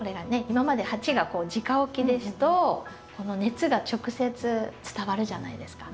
今まで鉢がじか置きですと熱が直接伝わるじゃないですか。